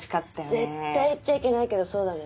絶対言っちゃいけないけどそうなのよ。